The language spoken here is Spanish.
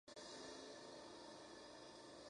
Es el único zoológico en la isla.